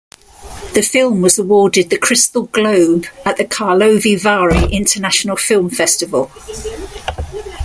The film was awarded the Crystal Globe at the Karlovy Vary International Film Festival.